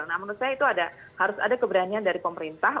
nah menurut saya itu harus ada keberanian dari pemerintah